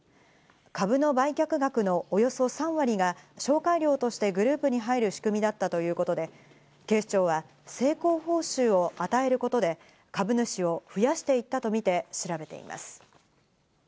株の売却額のおよそ３割が紹介料としてグループに入る仕組みだったということで、警視庁は成功報酬を与えることで株主を増やしていったとみて調べています。